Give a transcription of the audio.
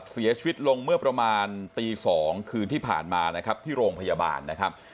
เสียชีวิตลงเมื่อประมาณตี๒คืนที่ผ่านมานะครับที่โรงพยาบาลนะครับ